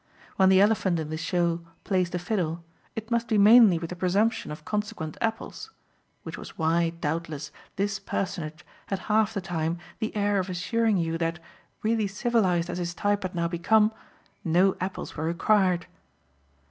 When the elephant in the show plays the fiddle it must be mainly with the presumption of consequent apples; which was why, doubtless, this personage had half the time the air of assuring you that, really civilised as his type had now become, no apples were required.